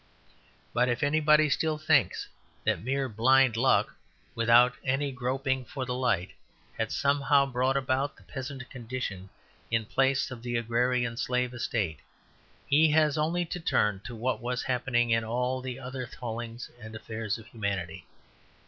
But if anybody still thinks that mere blind luck, without any groping for the light, had somehow brought about the peasant condition in place of the agrarian slave estate, he has only to turn to what was happening in all the other callings and affairs of humanity.